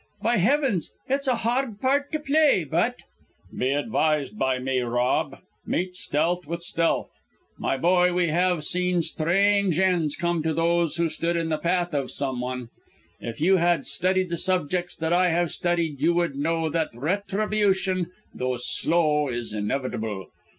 By heavens, it's a hard part to play, but " "Be advised by me, Rob. Meet stealth with stealth. My boy, we have seen strange ends come to those who stood in the path of someone. If you had studied the subjects that I have studied you would know that retribution, though slow, is inevitable.